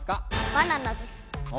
バナナです。